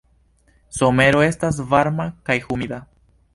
Somero estas varma kaj humida.